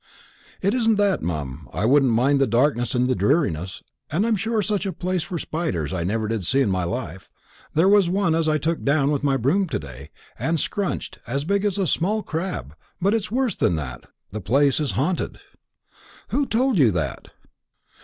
"It isn't that, mum. I wouldn't mind the darkness and the dreariness and I'm sure such a place for spiders I never did see in my life; there was one as I took down with my broom to day, and scrunched, as big as a small crab but it's worse than that: the place is haunted." "Who told you that?"